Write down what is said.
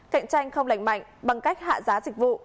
cạnh tranh không lành mạnh bằng cách hạ giá dịch vụ